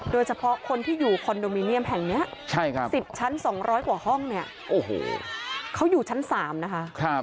โดยเฉพาะคนที่อยู่คอนโดมิเนียมแห่งนี้สิบชั้นสองร้อยกว่าห้องเนี่ยเขาอยู่ชั้นสามนะคะ